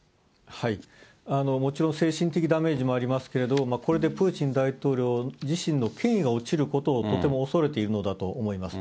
もちろん精神的ダメージもありますけれども、これでプーチン大統領自身の権威が落ちることを、とても恐れているのだと思います。